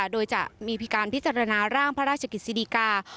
โดยจะมีการพิจารณาร่างพระราชกฤษฎิกา